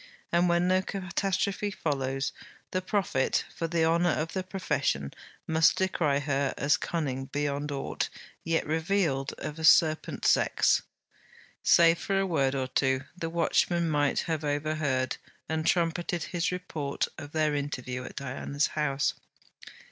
And when no catastrophe follows, the prophet, for the honour of the profession, must decry her as cunning beyond aught yet revealed of a serpent sex. Save for a word or two, the watchman might have overheard and trumpeted his report of their interview at Diana's house.